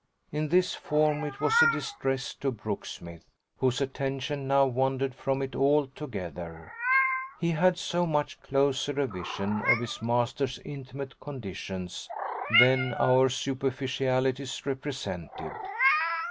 In this form it was a distress to Brooksmith, whose attention now wandered from it altogether: he had so much closer a vision of his master's intimate conditions than our superficialities represented.